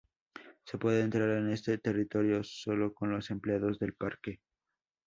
Se puede entrar en este territorio sólo con los empleados del parque.